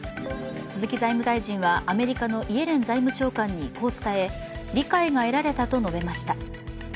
鈴木財務大臣はアメリカのイエレン財務長官に、こう伝え理解が得られたと述べました。